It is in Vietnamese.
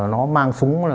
nó mang súng